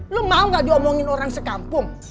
lo mau gak diomongin orang sekampung